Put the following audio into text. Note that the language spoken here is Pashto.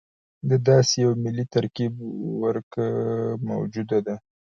د داسې یوه ملي ترکیب ورکه موجوده ده.